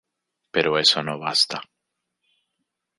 Pero eso no basta.